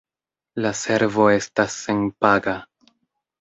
La servo estas senpaga.